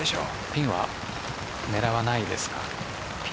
ピンは狙わないですか。